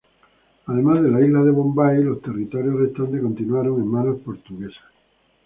Además de la isla de Bombay, los territorios restantes continuaron en manos portuguesas.